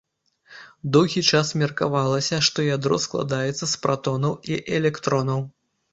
Доўгі час меркавалася, што ядро складаецца з пратонаў і электронаў.